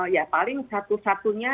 ya paling satu satunya